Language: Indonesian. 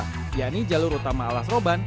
dua yaitu jalur utama ala seroban